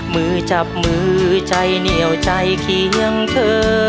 มือจับมือใจเหนียวใจเคียงเธอ